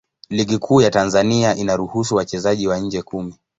Ligi Kuu ya Tanzania inaruhusu wachezaji wa nje kumi.